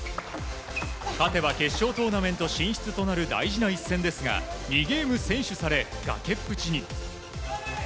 勝てば予選通過となる大事な一戦ですが２ゲーム先取され、崖っぷちに。